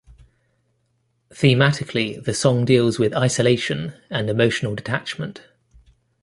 Thematically, the song deals with isolation and emotional detachment.